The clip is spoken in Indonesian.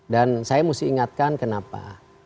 dan saya harus ingatkan kenapa